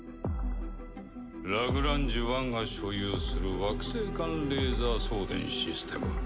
ラグランジュ１が所有する惑星間レーザー送電システム